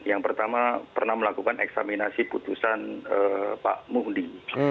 yang pertama pernah melakukan eksaminasi putusan pak muhdi